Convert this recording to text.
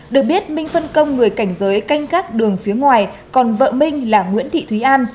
được biết minh phân công người cảnh giới canh gác đường phía ngoài còn vợ minh là nguyễn thị thúy an